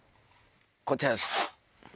こちらです。